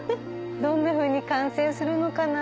どんなふうに完成するのかな？